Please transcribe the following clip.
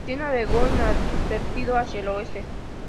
Así, navegó inadvertido hacia el Oeste.